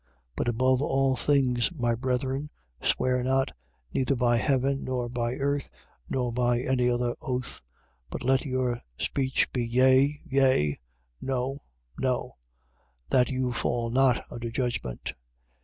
5:12. But above all things, my brethren, swear not, neither by heaven, nor by the earth, nor by any other oath. But let your speech be: Yea, Yea: No, No: that you fall not under judgment.